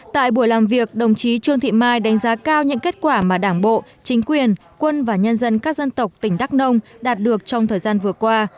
tại buổi làm việc đồng chí trương thị mai đánh giá cao những kết quả mà đảng bộ chính quyền quân và nhân dân các dân tộc tỉnh đắk nông đạt được trong thời gian vừa qua